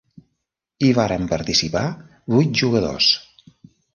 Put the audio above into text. Hi varen participar vuit jugadors.